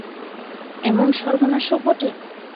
এমন সর্বনাশও ঘটে!